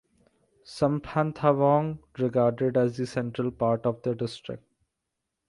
Samphanthawong regarded as the central part of the district.